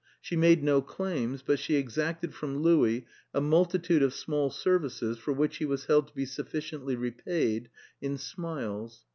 She made no claims, but she exacted from Louis a multitude of small services for which he was held to be sufficiently repaid in smiles.